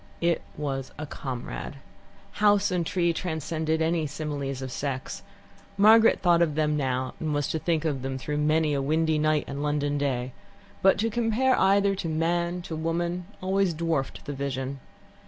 It was a comrade. House and tree transcended any similes of sex. Margaret thought of them now, and was to think of them through many a windy night and London day, but to compare either to man, to woman, always dwarfed the vision.